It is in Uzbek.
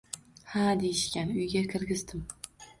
ha deyishgan, uyga kirgizdim.